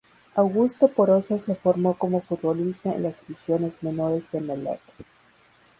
Augusto Poroso se formó como futbolista en las divisiones menores de Emelec.